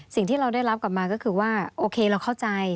สิ่งที่เราได้รับกลับมาก็คือว่าโอเคเราเข้าใจ